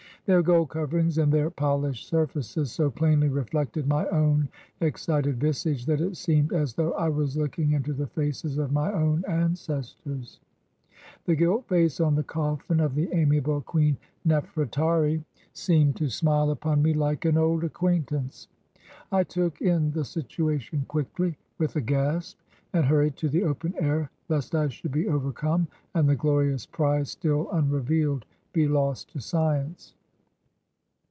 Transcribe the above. "Their gold coverings and their polished surfaces so plainly reflected my own excited visage that it seemed as though I was looking into the faces of my own ancestors. The gilt face on the cofiin of the amiable Queen Nof retari seemed to smile upon me like an old acquaintance. "I took in the situation quickly, wdth a gasp, and hurried to the open air lest I should be overcome and the glorious prize still unrevealed be lost to science.